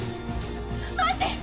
待って！